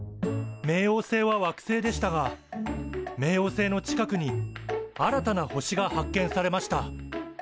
冥王星は惑星でしたが冥王星の近くに新たな星が発見されました。